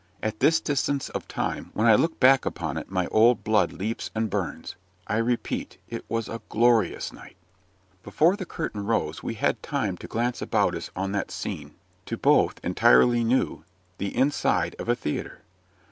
At this distance of time, when I look back upon it my old blood leaps and burns. I repeat, it was a glorious night! Before the curtain rose we had time to glance about us on that scene, to both entirely new the inside of a theatre.